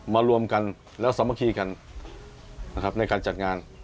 มารวมกันและสามัคคีกันในการจัดงาน